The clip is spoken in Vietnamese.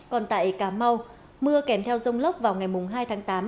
còn tại cà mau mưa kèm theo rông lốc vào ngày hai tháng tám